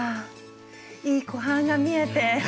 いい湖畔が見えて。